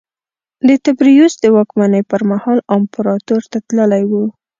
د تبریوس د واکمنۍ پرمهال امپراتور ته تللی و